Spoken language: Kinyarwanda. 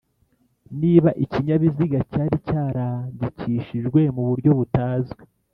niba ikinyabiziga cyari cyarandikishijwe mu buryo butazwi